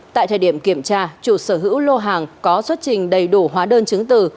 tại thời điểm kiểm tra chủ sở hữu lô hàng có xuất trình đầy đủ hóa đơn chứng từ